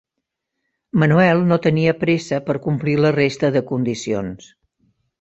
Manuel no tenia pressa per complir la resta de condicions.